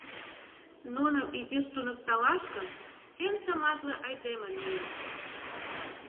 Нуным изиш туныкталаш гын, эн тыматле айдеме лийыт.